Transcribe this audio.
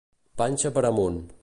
Panxa per amunt.